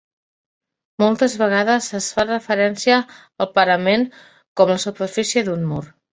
Moltes vegades es fa referència al parament com la superfície d'un mur.